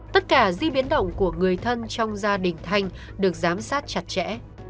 tất cả di biến động của người thân trong gia đình thanh được giám sát chặt chẽ